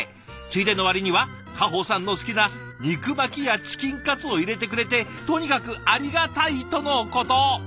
ついでの割にはかほうさんの好きな肉巻きやチキンカツを入れてくれて「とにかくありがたい！」とのこと。